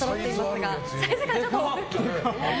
サイズ感はちょっと大きい。